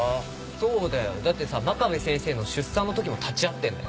そうだよだってさ真壁先生の出産の時も立ち会ってんだよ。